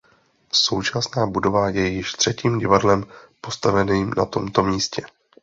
Současná budova je již třetím divadlem postaveným na tomto místě.